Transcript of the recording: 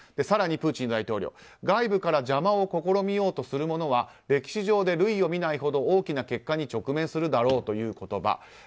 更にプーチン大統領外部から邪魔を試みようとする者には歴史上で類を見ないほど大きな結果に直面するだろうという言葉。